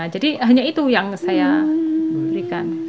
jadi hanya itu yang saya berikan